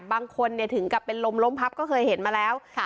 บางคนถึงกับเป็นลมล้มพับก็เคยเห็นมาแล้ว